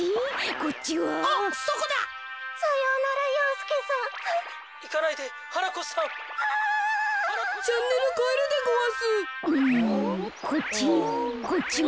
こっちは？